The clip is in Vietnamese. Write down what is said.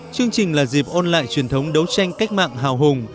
chương trình là dịp ôn lại truyền thống đấu tranh cách mạng hào hùng